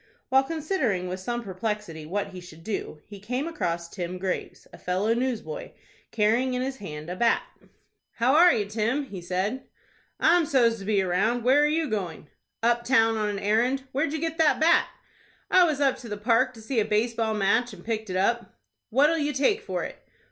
While considering with some perplexity what he should do, he came across Tim Graves, a fellow newsboy, carrying in his hand a bat. "How are you, Tim?" he said. "I'm so's to be round. Where are you going?" "Up town on an errand. Where'd you get that bat?" "I was up to the Park to see a base ball match, and picked it up." "What'll you take for it?"